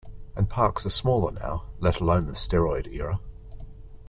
And parks are smaller now, let alone the steroid era.